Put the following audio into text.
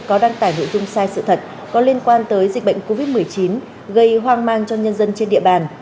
có đăng tải nội dung sai sự thật có liên quan tới dịch bệnh covid một mươi chín gây hoang mang cho nhân dân trên địa bàn